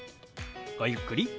ごゆっくり。